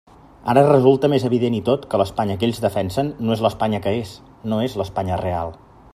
Ara resulta més evident i tot que l'Espanya que ells defensen no és l'Espanya que és, no és l'Espanya real.